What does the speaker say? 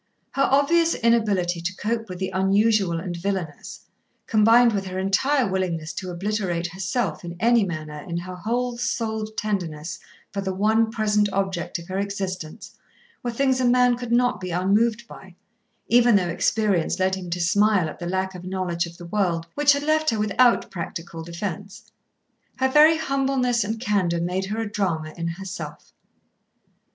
Her obvious inability to cope with the unusual and villainous, combined with her entire willingness to obliterate herself in any manner in her whole souled tenderness for the one present object of her existence, were things a man could not be unmoved by, even though experience led him to smile at the lack of knowledge of the world which had left her without practical defence. Her very humbleness and candour made her a drama in herself.